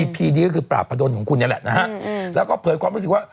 พีนี้ก็คือปราบพะดนของคุณนี่แหละนะฮะแล้วก็เผยความรู้สึกว่า